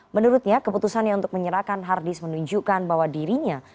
menurutnya keputusannya untuk menyerahkan hard disk menunjukkan bahwa dirinya